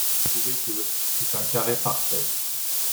Prouver que est un carré parfait.